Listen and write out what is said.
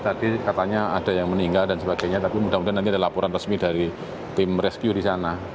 tadi katanya ada yang meninggal dan sebagainya tapi mudah mudahan nanti ada laporan resmi dari tim rescue di sana